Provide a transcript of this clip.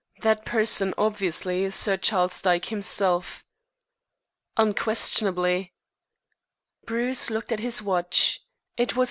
That person obviously is Sir Charles Dyke himself." "Unquestionably." Bruce looked at his watch. It was 10.